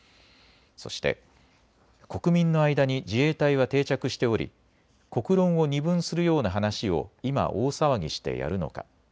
そして国民の間に自衛隊は定着しており国論を二分するような話を今、大騒ぎしてやるのか。